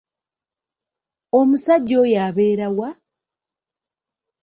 Omusajja oyo abeera wa?